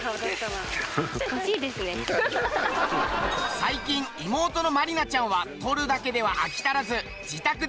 最近妹の真理奈ちゃんは採るだけでは飽き足らず。